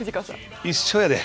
一緒やで。